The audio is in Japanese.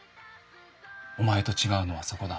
お前と違うのはそこだ。